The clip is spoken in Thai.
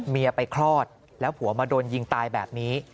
เมียไปคลอดแล้วผัวมาโดนยิงตายแบบนี้